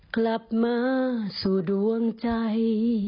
กลับมาสู่ดวงใจ